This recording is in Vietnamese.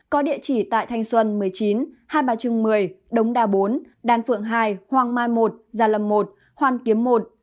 có địa chỉ tại thanh xuân một mươi chín hai mươi ba chừng một mươi đống đà bốn đàn phượng hai hoàng mai một gia lâm một hoàn kiếm một